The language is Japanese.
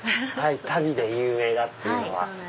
足袋で有名だっていうのは。